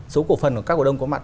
số cổ phần của các cổ đông có mặt